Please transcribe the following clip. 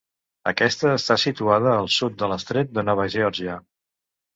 Aquesta està situada al sud de l'Estret de Nova Geòrgia.